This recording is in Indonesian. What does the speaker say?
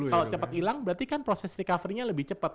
kalau cepat hilang berarti kan proses recovery nya lebih cepat